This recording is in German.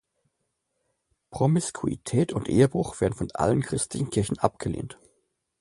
Promiskuität und Ehebruch werden von allen christlichen Kirchen abgelehnt.